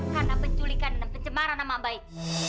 karena penculikan dan pencemaran nama baik